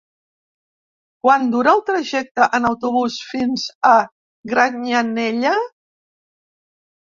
Quant dura el trajecte en autobús fins a Granyanella?